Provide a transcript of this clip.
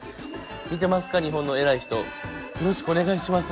見てますか日本の偉い人よろしくお願いします。